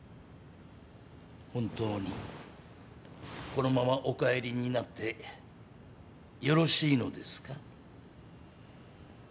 本当にこのままお帰りになってよろしいのですか？